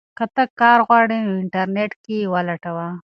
که ته کار غواړې نو انټرنیټ کې یې ولټوه.